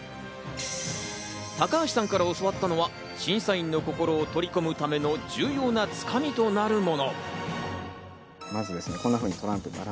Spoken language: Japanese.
高橋さんから教わったのは審査員の心を取り込むための、重要なツカミとなるもの。